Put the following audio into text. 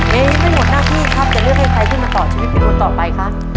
เฮ้ยเป็นหัวหน้าที่ครับจะเลือกให้ใครขึ้นมาต่อชีวิตผิดรูปต่อไปคะ